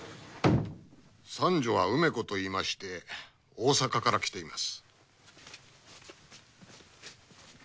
三女は梅子といいまして大阪から来ています。